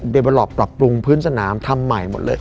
เบอร์รอปปรับปรุงพื้นสนามทำใหม่หมดเลย